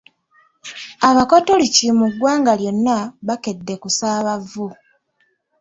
Abakatoliki mu ggwanga lyonna bakedde kusaaba vvu.